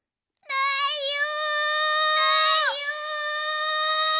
ないよ！